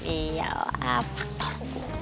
ini adalah faktor